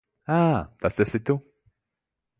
Ā, tas esi tu.